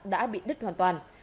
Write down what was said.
đã bị đứt hoàn toàn